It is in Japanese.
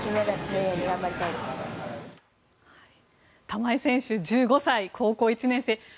玉井選手１５歳、高校１年生。